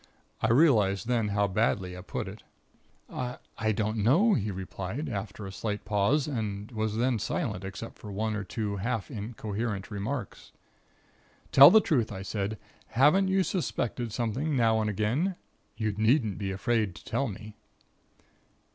I realized then how badly I put it. "'I I don't know,' he replied, after a slight pause and was then silent, except for one or two incoherent half remarks. "'Tell the truth,' I said. 'Haven't you suspected something, now and again? You needn't be afraid to tell me.'